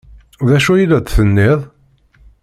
D acu ay la d-tenniḍ?